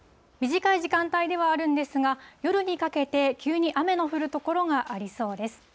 短い時間帯ではあるんですが、夜にかけて、急に雨の降る所がありそうです。